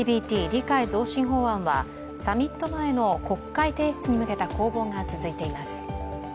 理解増進法案はサミット前の国会提出に向けた攻防が続いています。